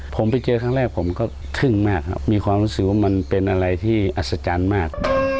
ผมไปเจอครั้งแรกผมก็ทึ่งมากครับมีความรู้สึกว่ามันเป็นอะไรที่อัศจรรย์มาก